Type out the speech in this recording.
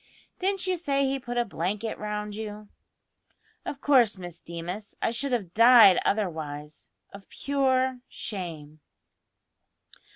"Didn't you say he put a blanket round you?" "Of course, Miss Deemas; I should have died otherwise of pure shame."